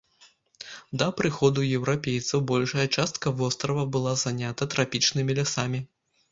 Да прыходу еўрапейцаў большая частка вострава была занята трапічнымі лясамі.